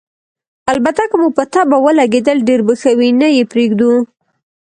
البته که مو په طبعه ولګېدل، ډېر به ښه وي، نه یې پرېږدو.